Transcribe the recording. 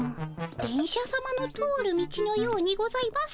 電車さまの通る道のようにございます。